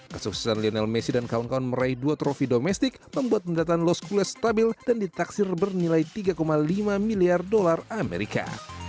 kesuksesan lionel messi dan kawan kawan meraih dua trofi domestik membuat pendataan loskules stabil dan ditaksir bernilai tiga lima miliar dolar amerika